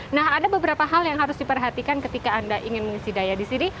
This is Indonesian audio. nah ada beberapa hal yang harus diperhatikan ketika anda ingin mengisi daya di sini